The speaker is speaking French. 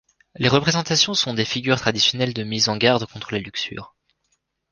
Les représentations sont des figures traditionnelles de mise en garde contre la luxure.